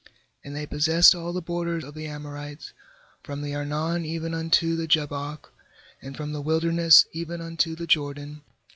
^And they possessed all the border of the Amorites, from the Arnon even unto the Jabbok, and from the wilderness even unto the Jordan.